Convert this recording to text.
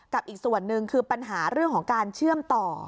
อีกส่วนหนึ่งคือปัญหาเรื่องของการเชื่อมต่อ